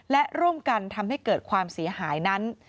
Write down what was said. และร่วมกันทำให้เกิดความเสียหายนั้น